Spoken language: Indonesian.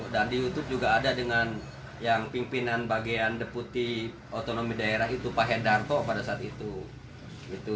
dan di youtube juga ada dengan yang pimpinan bagian deputi otonomi daerah itu pak hedarto pada saat itu